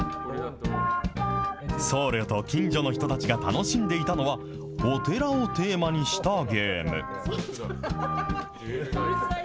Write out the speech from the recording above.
僧侶と近所の人たちが楽しんでいたのは、お寺をテーマにしたゲーム。